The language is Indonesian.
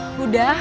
us mulai hé